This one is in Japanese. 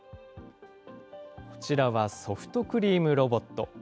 こちらはソフトクリームロボット。